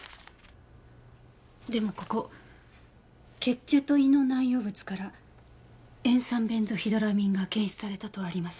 でもここ血中と胃の内容物から塩酸ベンゾヒドラミンが検出されたとありますが。